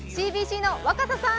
ＣＢＣの若狭さん。